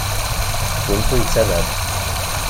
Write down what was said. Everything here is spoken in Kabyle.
Quinto yettarra-d.